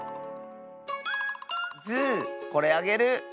ズーこれあげる！